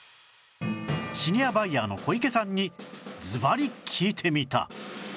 シニアバイヤーの小池さんにずばり聞いてみた